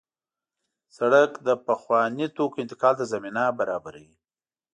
سړک د خوراکي توکو انتقال ته زمینه برابروي.